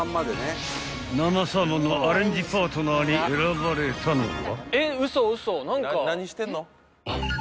［生サーモンのアレンジパートナーに選ばれたのは］